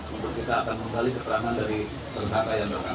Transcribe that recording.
untuk kita akan mengambil keterangan dari tersangka yang tertangkap